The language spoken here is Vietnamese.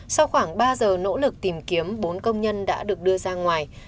sau khoảng ba giờ nỗ lực tìm kiếm bốn công nhân đã được đưa ra ngoài